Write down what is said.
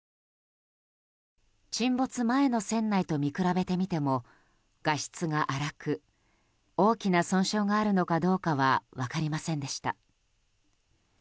沈没前の船内と見比べてみても画質が粗く大きな損傷があるのかどうかは分かりませんでした。